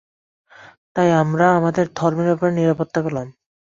তাই আমরা আমাদের ধর্মের ব্যাপারে নিরাপত্তা পেলাম।